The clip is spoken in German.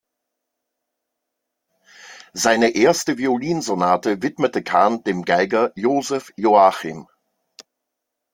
Seine erste Violinsonate widmete Kahn dem Geiger Joseph Joachim.